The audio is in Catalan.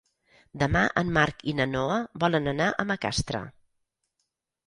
Demà en Marc i na Noa volen anar a Macastre.